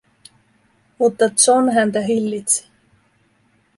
Mutta John häntä hillitsi.